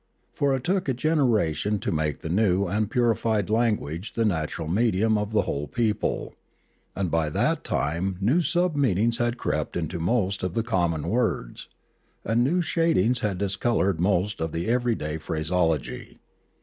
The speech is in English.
For it took a generation to make the new and purified language the natural medium of the whole people, and by that time new sub meanings had crept into most of the common words, and new shadings had discoloured most of the everyday phraseology.